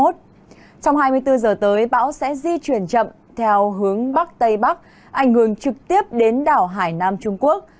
trong hai mươi bốn giờ tới bão sẽ di chuyển chậm theo hướng bắc tây bắc ảnh hưởng trực tiếp đến đảo hải nam trung quốc